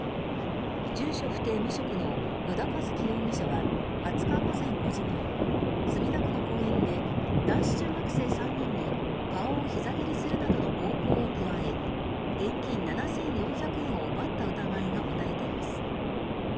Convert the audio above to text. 住所不定・無職の依田一樹容疑者は２０日午前８時ごろ墨田区の公園で男子中学生３人に顔をひざ蹴りするなどの暴行を加え現金７４００円を奪った疑いが持たれています。